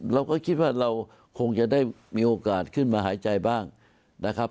เราก็คิดว่าเราคงจะได้มีโอกาสขึ้นมาหายใจบ้างนะครับ